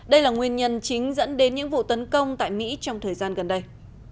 đây là nguyên nhân chính dẫn đến những vụ tấn công tại mỹ trong thời gian gần đây